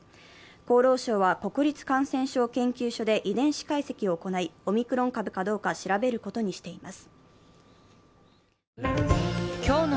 厚労省は国立感染症研究所で遺伝子解析を行い、オミクロン株かどうか調べることにしています。